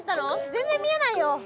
全然見えないよ。